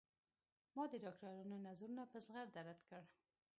ما د ډاکترانو نظرونه په زغرده رد کړل.